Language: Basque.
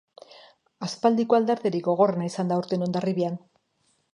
Aspaldiko alarderik gogorrena izan da aurten Hondarribian.